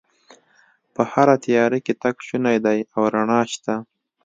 په هره تیاره کې تګ شونی دی او رڼا شته